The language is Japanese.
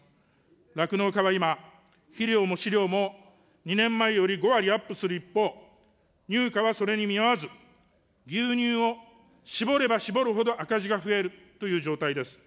酪農家は今、肥料も飼料も２年前より５割アップする一方、乳価はそれに見合わず、牛乳を搾れば搾るほど赤字が増えるという状態です。